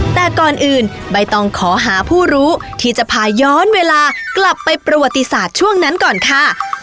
แต่ก่อนอื่นใบตองขอหาผู้รู้ที่จะพาย้อนเวลากลับไปประวัติศาสตร์ช่วงนั้นก่อนค่ะ